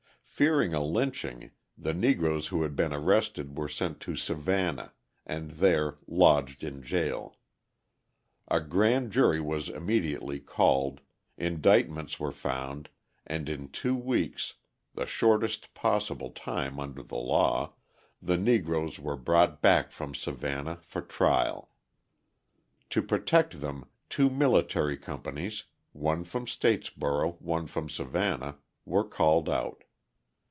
Fearing a lynching, the Negroes who had been arrested were sent to Savannah and there lodged in jail. A grand jury was immediately called, indictments were found, and in two weeks the shortest possible time under the law the Negroes were brought back from Savannah for trial. To protect them, two military companies, one from Statesboro, one from Savannah, were called out.